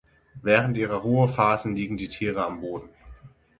Während ihrer Ruhephasen liegen die Tiere am Boden.